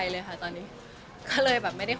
แฟนคลับของคุณไม่ควรเราอะไรไง